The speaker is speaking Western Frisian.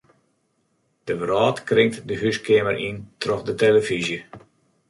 De wrâld kringt de húskeamer yn troch de telefyzje.